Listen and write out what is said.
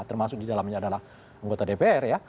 termasuk di dalamnya adalah anggota dpr ya